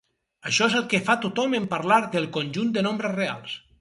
Això és el que fa tothom en parlar "del conjunt de nombres reals".